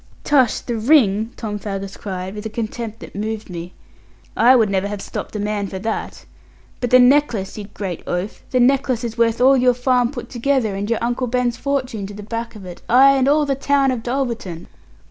'Tush, the ring!' Tom Faggus cried, with a contempt that moved me: 'I would never have stopped a man for that. But the necklace, you great oaf, the necklace is worth all your farm put together, and your Uncle Ben's fortune to the back of it; ay, and all the town of Dulverton.'